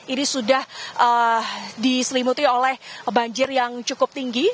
ini sudah diselimuti oleh banjir yang cukup tinggi